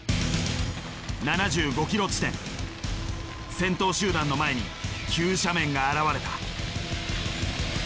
先頭集団の前に急斜面が現れた。